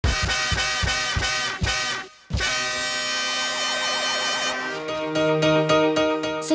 สนับสนุนโดยธนาคารกรุงเทพฯ